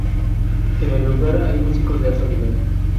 En el lugar hay músicos de alto nivel.